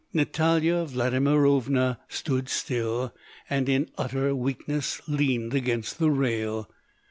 Natalya Vladimirovna stood still, and in utter weakness leaned against the rail.